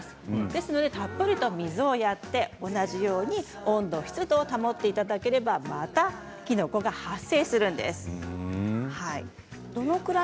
ですのでたっぷりと水をやって同じように温度、湿度を保っていただければまたキノコが発生するんです。